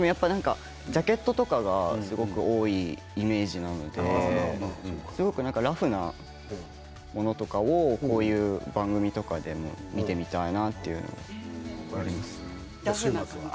ジャケットとかがすごく多いイメージなのですごくラフなものとかをこういう番組とかで見てみたいなという。